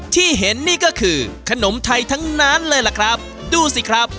ที่เห็นนี่ก็คือขนมไทยทั้งนั้นเลยล่ะครับดูสิครับ